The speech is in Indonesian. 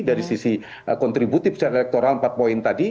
dari sisi kontributif secara elektoral empat poin tadi